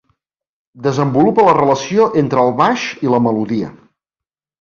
Desenvolupa la relació entre el baix i la melodia.